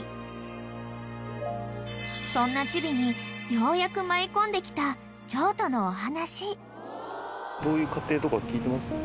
［そんなチビにようやく舞い込んできた譲渡のお話］